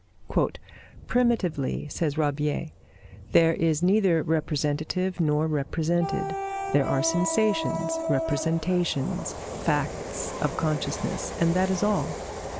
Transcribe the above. "Primitively," says Rabier, "there is neither representative nor represented; there are sensations, representations, facts of consciousness, and that is all.